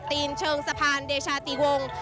ตีนเชิงสะพานเดชาติวงศ์